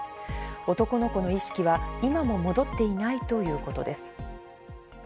男の子の意識は今も戻っていないということです。